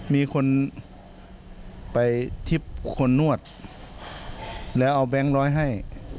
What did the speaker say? มีคนไปทิพย์คนนวดแล้วเอาแบงค์ร้อยให้